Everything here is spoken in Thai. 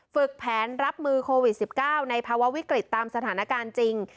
ฝึกแผนรับมือโควิด๑๙ในภาวะวิกฤตตามสถานการณ์จริง